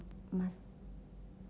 iya deh aku tidak minta tolong mas